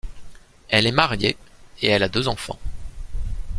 Elle est mariée et elle a deux enfants.